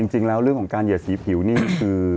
จริงแล้วเรื่องของการเหยียดสีผิวนี่คือ